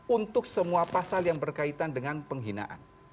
untuk semua pasal yang berkaitan dengan penghinaan